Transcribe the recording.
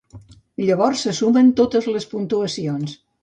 Llavors se sumen totes les puntuacions.